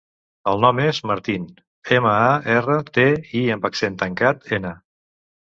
El nom és Martín: ema, a, erra, te, i amb accent tancat, ena.